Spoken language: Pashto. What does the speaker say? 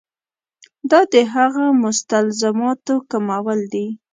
دا د هغو مستلزماتو کمول دي.